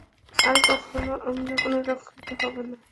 আর কখনও আমরা পুনরুত্থিত হব না।